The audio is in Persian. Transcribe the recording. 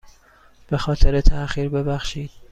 به خاطر تاخیر ببخشید.